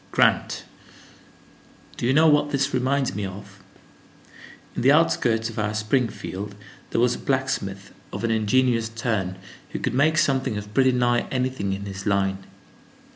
"Grant, do you know what this reminds me of? In the outskirts of our Springfield, there was a blacksmith of an ingenious turn, who could make something of pretty nigh anything in his line.